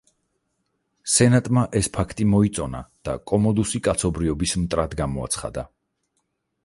სენატმა ეს ფაქტი მოიწონა და კომოდუსი კაცობრიობის მტრად გამოაცხადა.